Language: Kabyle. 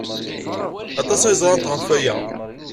Aṭas ay ẓrant ɣef waya.